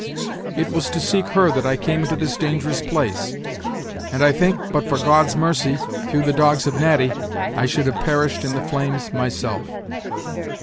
It was to seek her that I came into this dangerous place; and I think, but for God's mercy, through the dogs of Natty, I should have perished in the flames myself."